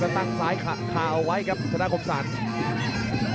มันตั้งซ้ายคาเอาไว้ครับชนะกรมสรรค์